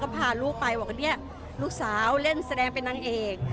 พาลูกไปลูกสาวเล่นแสดงเป็นนางเอก